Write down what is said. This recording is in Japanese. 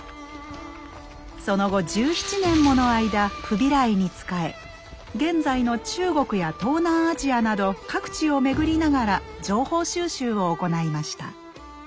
その後１７年もの間フビライにつかえ現在の中国や東南アジアなど各地を巡りながら情報収集を行いました。